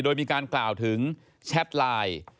โดยมีการกล่าวถึงแชทไลน์